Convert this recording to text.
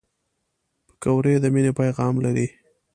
پکورې د مینې پیغام لري